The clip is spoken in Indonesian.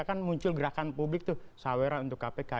kan muncul gerakan publik tuh sawera untuk kpk